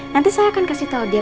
nanti saya akan kasih tahu dia